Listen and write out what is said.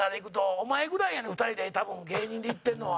お前ぐらいやねん２人で、多分芸人で行ってんのは。